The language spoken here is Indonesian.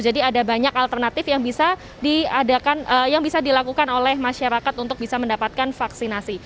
jadi ada banyak alternatif yang bisa dilakukan oleh masyarakat untuk bisa mendapatkan vaksinasi